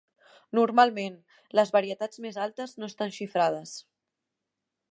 Normalment, les varietats més altes no estan xifrades.